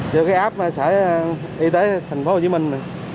do cái app sở y tế thành phố hồ chí minh